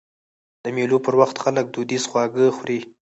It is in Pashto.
د مېلو پر وخت خلک دودیز خواږه خوري.